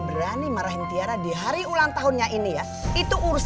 biarin tiara gangguin intan terus